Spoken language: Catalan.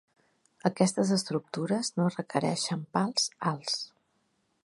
Aquestes estructures no requereixen pals alts.